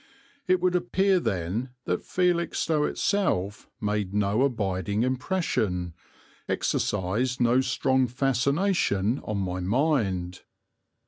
It would appear then that Felixstowe itself made no abiding impression, exercised no strong fascination, on my mind.